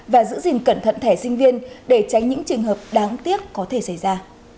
và giữ gìn cẩn thận thẻ sinh viên để tránh những trường hợp đáng tiếc có thể xảy ra